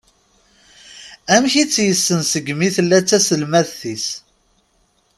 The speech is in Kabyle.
Amek i tt-yessen segmi tella d taselmadt-is.